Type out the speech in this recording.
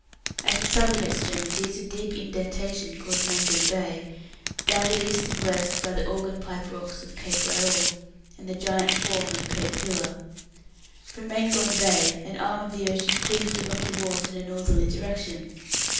At its southern extremity is a deep indentation called Maingon Bay, bounded east and west by the organ pipe rocks of Cape Raoul, and the giant form of Cape Pillar. From Maingon Bay an arm of the ocean cleaves the rocky walls in a northerly direction.